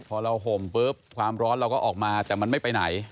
พอเราห่มปุ๊บความร้อนเราก็ออกมาแต่มันไม่ไปไหน